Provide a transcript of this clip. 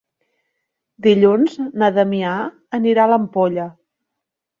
Dilluns na Damià anirà a l'Ampolla.